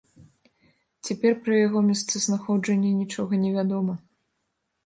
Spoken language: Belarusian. Цяпер пра яго месцазнаходжанне нічога не вядома.